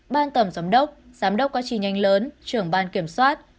ban tầm giám đốc giám đốc quá trì nhanh lớn trưởng ban kiểm soát